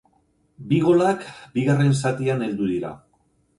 Bi golak bigarren zatian heldu dira.